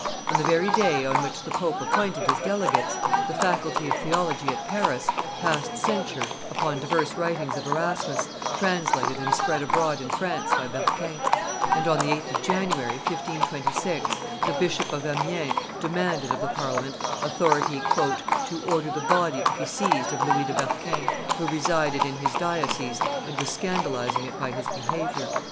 On the very day on which the pope appointed his delegates, the faculty of theology at Paris passed censure upon divers writings of Erasmus, translated and spread abroad in France by Berquin; and on the 8th of January, 1526, the Bishop of Amiens demanded of the Parliament authority "to order the body to be seized of Louis de Berquin, who resided in his diocese and was scandalizing it by his behavior."